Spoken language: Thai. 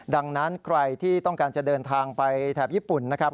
ดังนั้นใครที่ต้องการจะเดินทางไปแถบญี่ปุ่นนะครับ